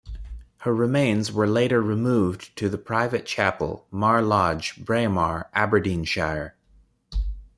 Her remains were later removed to the Private Chapel, Mar Lodge, Braemar, Aberdeenshire.